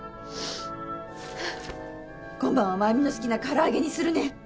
今晩は真弓の好きな唐揚げにするね。